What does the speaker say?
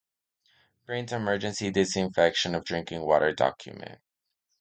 Print Emergency Disinfection of Drinking Water document.